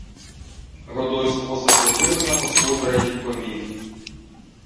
Годой скоса позирив на господаря й відповів: